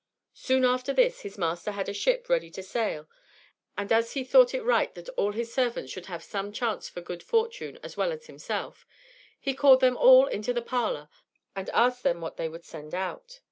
Soon after this, his master had a ship ready to sail; and as he thought it right that all his servants should have some chance for good fortune as well as himself, he called them all into the parlor and asked them what they would send out.